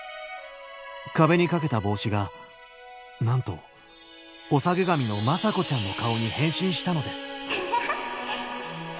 壁にかけた帽子がなんとおさげ髪の眞佐子ちゃんの顔に変身したのですうふふ。